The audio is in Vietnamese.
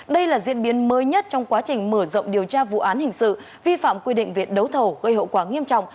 đây là diễn biến mới nhất trong quá trình mở rộng điều tra vụ án hình sự vi phạm quy định viện đấu thầu gây hậu quả nghiêm trọng